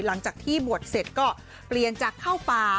หลังจากที่บวชเสร็จก็เปลี่ยนจากเข้าป่า